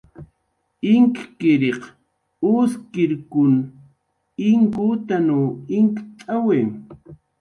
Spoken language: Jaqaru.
Inkkiriq uskirkun inkutanw inkt'awi